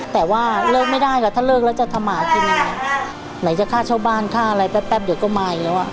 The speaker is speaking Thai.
แต่ว่าเลิกไม่ได้ค่ะถ้าเลิกแล้วจะทำหากินยังไงไหนจะค่าเช่าบ้านค่าอะไรแป๊บเดี๋ยวก็มาอีกแล้วอ่ะ